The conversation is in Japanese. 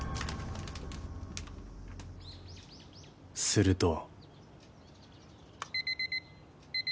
［すると］